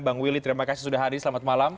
bang willy terima kasih sudah hadir selamat malam